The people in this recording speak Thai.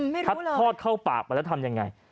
ไม่รู้เลยถอดเข้าปากมาแล้วทำยังไง